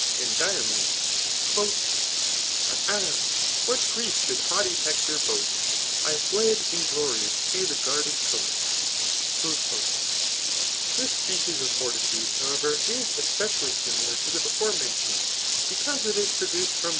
And Diomed^ But ah ! what grief dioold hanghty Hector boast | I fled inglorious to the guarded coast !^ This species of fortitude, however, is especially ^milar to the before mentioned, because it is produced firom ' Iliad, Book 22.